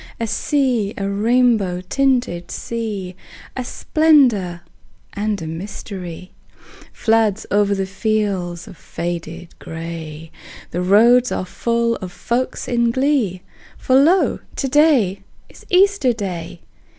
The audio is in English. A sea, a rainbow tinted sea, A splendor and a mystery, Floods o'er the fields of faded gray: The roads are full of folks in glee, For lo, to day is Easter Day!